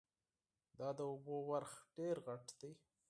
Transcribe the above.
دا د اوبو ډنډ ډېر غټ ده